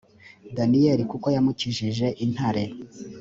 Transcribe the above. daniyeli kuko yamukijije intare